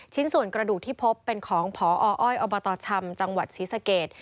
ส่วนกระดูกที่พบเป็นของพออ้อยอบตชำจังหวัดศรีสเกต